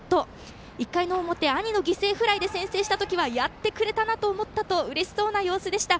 １回の表、兄の犠牲フライで先制した時はやってくれたなと思ったとうれしそうな様子でした。